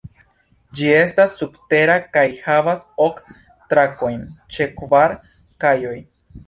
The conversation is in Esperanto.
Ĝi estas subtera kaj havas ok trakojn ĉe kvar kajoj.